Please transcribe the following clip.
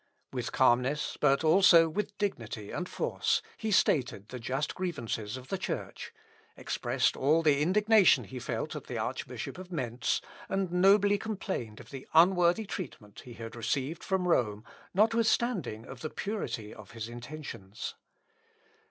With calmness, but also with dignity and force, he stated the just grievances of the Church; expressed all the indignation he felt at the Archbishop of Mentz, and nobly complained of the unworthy treatment he had received from Rome, notwithstanding of the purity of his intentions.